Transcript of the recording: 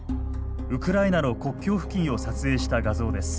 ウクライナの国境付近を撮影した画像です。